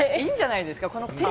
いいじゃないですか！